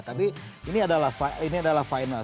tapi ini adalah final